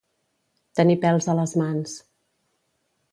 Tenir pèls a les mans.